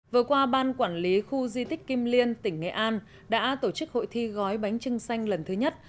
vừa qua ban quản lý khu di tích kim liên tỉnh nghệ an đã tổ chức hội thi gói bánh trưng xanh lần thứ nhất